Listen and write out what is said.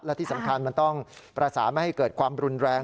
และที่สำคัญมันต้องประสานไม่ให้เกิดความรุนแรง